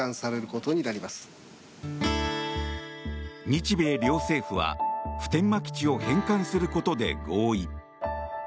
日米両政府は普天間基地を返還することで合意。